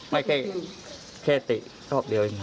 ไม่เห็นอีกแค่เห็นกว่าเลียว